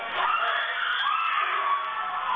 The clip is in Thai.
เจ้าเจ้าเจ้าเจ้าเจ้าเจ้า